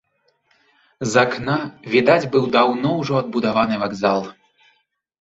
З акна відаць быў даўно ўжо адбудаваны вакзал.